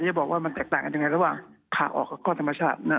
จะบอกว่ามันแตกต่างกันยังไงระหว่างขาออกกับข้อธรรมชาตินะ